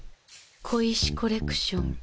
小石コレクション。